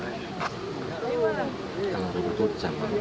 kalau rumput sama